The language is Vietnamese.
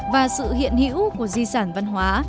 và sự hiện hữu của di sản văn hóa